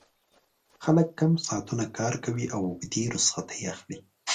خلک کم ساعتونه کار کوي او اوږدې رخصتۍ اخلي